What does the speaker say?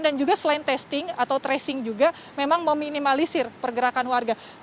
dan juga selain testing atau tracing juga memang meminimalisir pergerakan warga